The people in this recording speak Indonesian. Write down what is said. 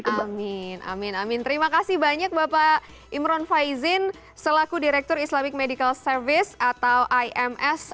amin amin amin terima kasih banyak bapak imron faizin selaku direktur islamic medical service atau ims